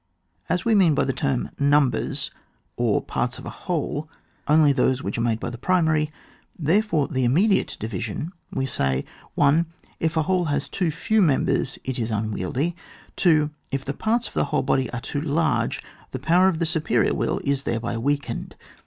As we mean by the term numbers, or part« of a whole, only those which are made by the primary, therefore the im mediate division, we say. 1. If a whole has too few members it is unwieldy. 2. If the parts of a whole body are too large, the power of the superior will is thereby weakened.